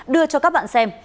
đưa cho các bạn xem